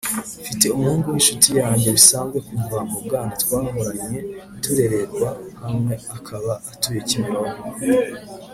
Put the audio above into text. Mfite umuhungu w’inshuti yajye bisanzwe kuva mu bwana twarahoranye turererwa hamwe akaba atuye kimironko